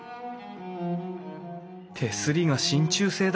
手すりがしんちゅう製だ。